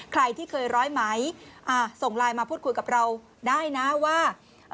ใครที่เคยร้อยไหมส่งไลน์มาพูดคุยกับเราได้นะว่า